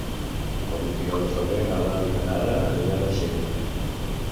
El vint-i-nou de febrer na Lara i na Nara aniran a Xella.